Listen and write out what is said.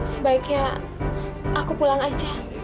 sebaiknya aku pulang aja